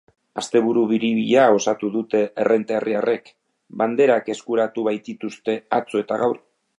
Asteburu biribila osatu dute errenteriarrek, banderak eskuratu baitituzte atzo eta gaur.